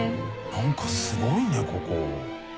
何かすごいねここ。